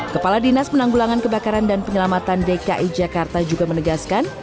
kepala dinas penanggulangan kebakaran dan penyelamatan dki jakarta juga menegaskan